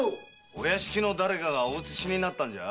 お屋敷の誰かがお移しになったんじゃ？